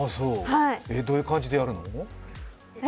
どういう感じでやるの？